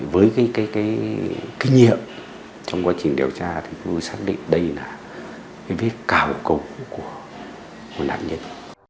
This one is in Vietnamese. với cái nghiệp trong quá trình điều tra thì tôi xác định đây là cái vết cào cổ của nạn nhân